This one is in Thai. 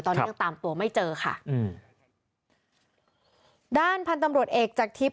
ตอนนี้ยังตามตัวไม่เจอค่ะอืมด้านพันธุ์ตำรวจเอกจากทิพย